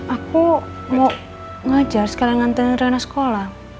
aku mau ngajar sekalian dengan tengerana sekolah